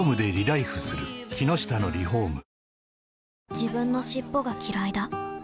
自分の尻尾がきらいだ